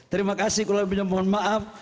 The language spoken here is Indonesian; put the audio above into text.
terima kasih kurang lebihnya mohon maaf